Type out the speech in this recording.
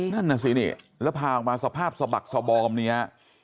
นั่นน่ะสินี่แล้วพาออกมาสภาพสบักสบอมเนี่ย